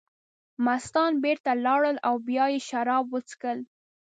مستان بېرته لاړل او بیا یې شراب وڅښل.